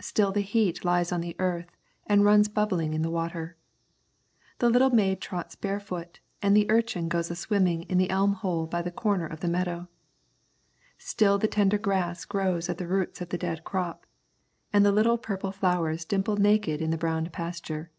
Still the heat lies on the earth and runs bubbling in the water. The little maid trots barefoot and the urchin goes a swimming in the elm hole by the corner of the meadow. Still the tender grass grows at the roots of the dead crop, and the little purple flowers dimple naked in the brown pasture.